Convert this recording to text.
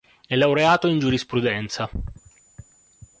È laureato in giurisprudenza.